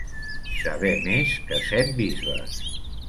Saber més que set bisbes.